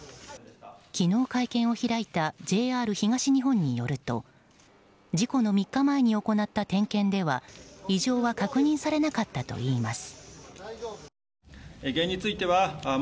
昨日、会見を開いたＪＲ東日本によると事故の３日前に行った点検では異常は確認されなかったといいます。